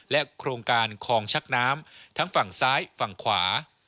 โครงการคลองชักน้ำทั้งฝั่งซ้ายฝั่งขวา